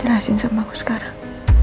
jelasin sama aku sekarang